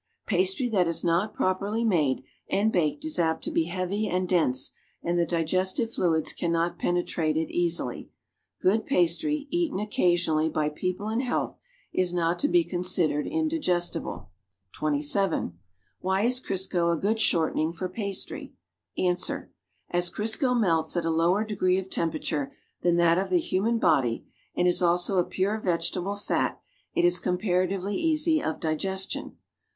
Pastry that is not properly made and baked is apt to be heavy and dense and the digestive fluids cannot penetrate it easily. Good pastry, eaten occasionally, by people in health, is noL Ic) be considered indigestible. (27) Whj' is Crisco a good shortening for pastry? Ans. As Crisco melts at a lower degree of temperature than that of the human body and is also a pure vegetable fat, it is com paratively easy of digestion.